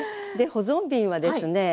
保存瓶はですね